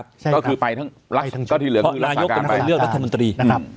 ก็คือไปทั้งรักษณ์ที่เหลือนายกเป็นคนเลือกรัฐมนตรี